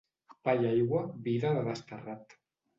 Pa i aigua, vida de desterrat.